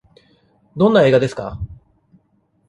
どんな映画ですか。